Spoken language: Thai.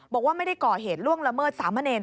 บอกว่าไม่ได้ก่อเหตุล่วงละเมิดสามเณร